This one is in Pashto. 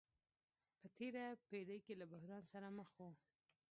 په تېره پېړۍ کې له بحران سره مخ وو.